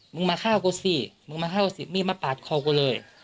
มึงมาฆ่ากัวสิไม่มาปาดคอกูเลย